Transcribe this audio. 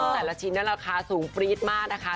แต่ละชิ้นนั้นราคาสูงปรี๊ดมากนะคะ